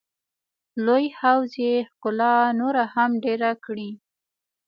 لوی حوض یې ښکلا نوره هم ډېره کړې.